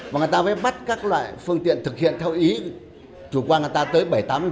và người ta mới bắt các loại phương tiện thực hiện theo ý chủ quan người ta tới bảy mươi tám